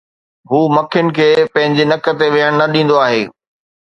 هو مکڻ کي پنهنجي نڪ تي ويهڻ نه ڏيندو آهي